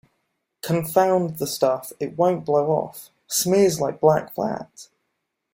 Confound the stuff, it won't blow off — smears like black fat!